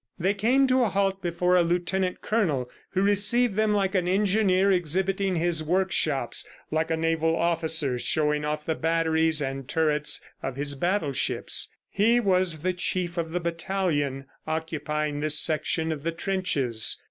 They came to a halt before a lieutenant colonel who received them like an engineer exhibiting his workshops, like a naval officer showing off the batteries and turrets of his battleships. He was the Chief of the battalion occupying this section of the trenches.